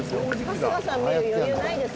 春日さん見る余裕ないです